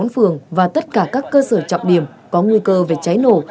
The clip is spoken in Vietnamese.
một mươi bốn phường và tất cả các cơ sở trọng điểm có nguy cơ về cháy nổ